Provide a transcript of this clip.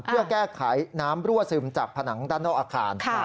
เพื่อแก้ไขน้ำรั่วซึมจากผนังด้านนอกอาคาร